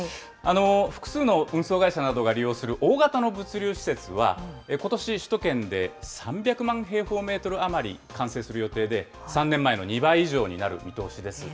複数の運送会社などが利用する大型の物流施設は、ことし首都圏で３００万平方メートル余り完成する予定で、３年前の２倍以上になる見通しです。